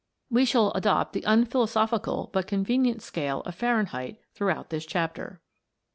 We shall adopt the unphilosophical but convenient scale of Fahrenheit throughout this chapter.